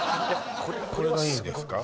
これがいいんですか？